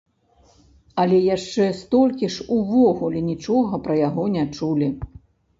А яшчэ столькі ж увогуле нічога пра яго не чулі.